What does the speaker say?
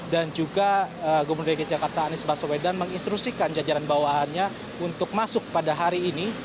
dan juga gubernur dki jakarta anies baswedan menginstrusikan jajaran bawahannya untuk masuk pada hari ini